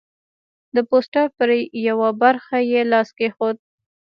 د پوسټر پر یوه برخه یې لاس کېښود.